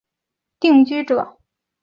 其余的被征服土地则被交给定居者。